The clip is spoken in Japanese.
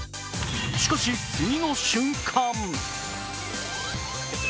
しかし次の瞬間